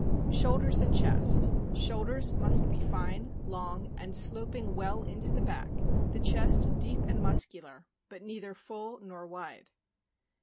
Shoulders and chest. — Shoulders must be fine, long, and sloping well into the back; the chest deep and muscular, but neither full nor wide.